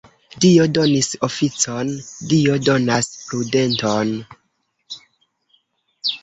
Dio donis oficon, Dio donas prudenton.